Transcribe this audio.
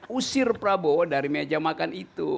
usir prabowo dari meja makan itu